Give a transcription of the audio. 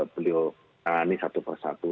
beliau tangani satu persatu